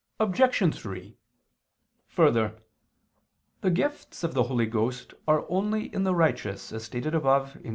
Obj. 3: Further, the gifts of the Holy Ghost are only in the righteous, as stated above (Q.